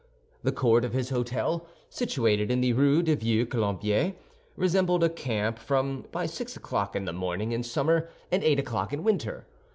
The court of his hôtel, situated in the Rue du Vieux Colombier, resembled a camp from by six o'clock in the morning in summer and eight o'clock in winter.